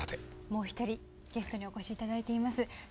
もう一人ゲストにお越しいただいています。